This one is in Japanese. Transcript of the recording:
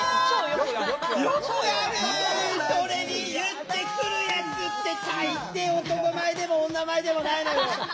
それに言ってくるやつって大抵男前でも女前でもないのよ！